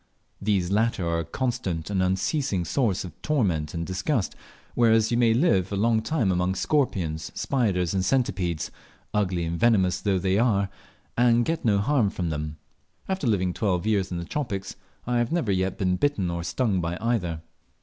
These latter are a constant and unceasing source of torment and disgust, whereas you may live a long time among scorpions, spiders, and centipedes, ugly and venomous though they are, and get no harm from them. After living twelve years in the tropics, I have never yet been bitten or stung by either.